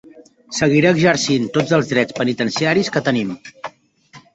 Seguiré exercint tots els drets penitenciaris que tenim.